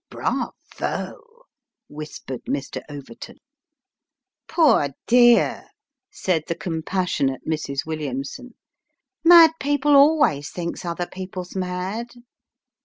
" Bravo !" whispered Overton. " Poor dear !" said the compassionate Mrs. Williamson, " mad people always thinks other people's mad."